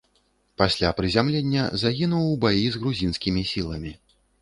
Пасля прызямлення загінуў у баі з грузінскімі сіламі.